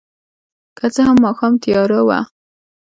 که څه هم ماښام تیاره وه.